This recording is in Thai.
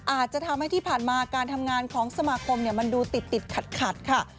อาจจะทำให้ที่ผ่านมาการทำงานของสมาคมมันดูติดขัดค่ะ